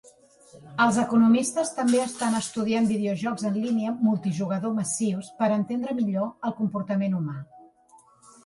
Els economistes també estan estudiant videojocs en línia multi-jugador massius per entendre millor el comportament humà.